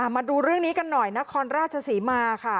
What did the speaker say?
มาดูเรื่องนี้กันหน่อยนครราชศรีมาค่ะ